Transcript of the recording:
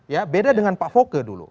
ya beda dengan pak foke dulu